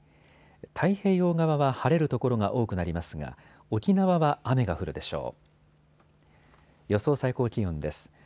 太平洋側は晴れる所が多くなりますが沖縄は雨が降るでしょう。